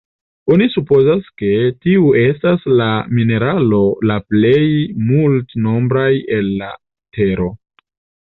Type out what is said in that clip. Oni supozas, ke tiu estas la mineralo la plej multnombraj el la tero.